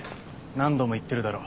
何度も言ってるだろ。